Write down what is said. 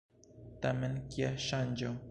Tamen kia ŝanĝo!